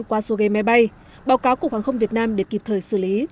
qua số ghế máy bay báo cáo cục hàng không việt nam để kịp thời xử lý